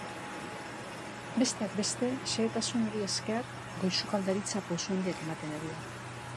Besteak beste, xehetasun horri esker goi sukaldaritza pausu handiak ematen ari da.